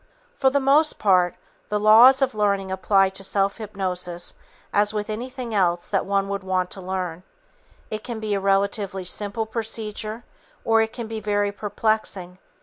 For the most part, the laws of learning apply to self hypnosis as with anything else that one would want to learn. It can be a relatively simple procedure, or it can be very perplexing.